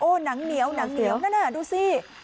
หนังเหนียวหนังเหนียวนั่นน่ะดูสิ